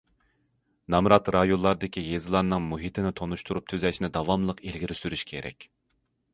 نامرات رايونلاردىكى يېزىلارنىڭ مۇھىتىنى تۇتاشتۇرۇپ تۈزەشنى داۋاملىق ئىلگىرى سۈرۈش كېرەك.